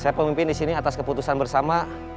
saya pemimpin di sini atas keputusan bersama